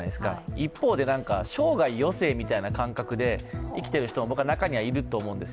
一方で生涯余生みたいな感覚で生きている人も中にはいるとんです。